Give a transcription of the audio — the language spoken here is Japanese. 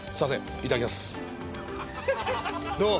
いただきます。